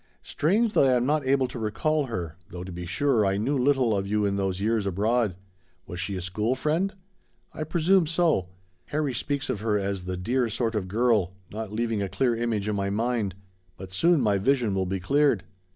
Strange that I am not able to recall her, though to be sure I knew little of you in those years abroad. Was she a school friend? I presume so. Harry speaks of her as 'the dear sort of girl,' not leaving a clear image in my mind. But soon my vision will be cleared."